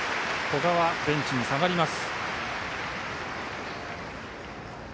古賀はベンチに下がります。